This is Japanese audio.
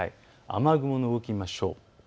雨雲の動きを見ましょう。